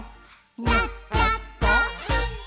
「なっちゃった！」